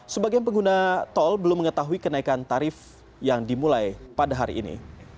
sebagian pengguna tol belum mengetahui kenaikan tarif yang dimulai pada hari ini